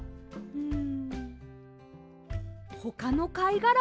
うん！